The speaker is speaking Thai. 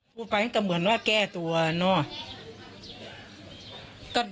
พูดไปก็เหมือนว่าแก้ตัวเนาะ